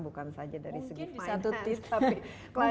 bukan saja dari segi finance